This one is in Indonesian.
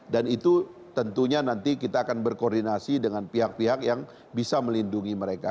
dan itu tentunya nanti kita akan berkoordinasi dengan pihak pihak yang bisa melindungi mereka